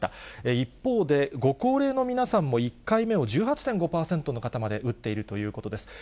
一方で、ご高齢の皆さんも１回目の接種を１８．５％の方まで打っているということです。